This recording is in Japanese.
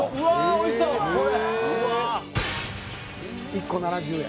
１個７０円。